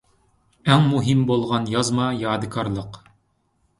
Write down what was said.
ئەڭ مۇھىم بولغان يازما يادىكارلىق.